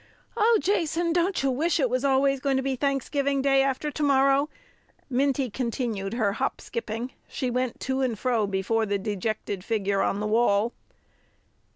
"Oh, Jason, don't you wish it was always going to be Thanksgiving Day after to morrow?" Minty continued her hop skipping; she went to and fro before the dejected figure on the wall.